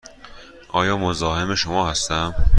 آیا مزاحم شما هستم؟